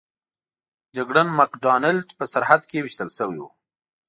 جګړن مک ډانلډ په سرحد کې ویشتل شوی و.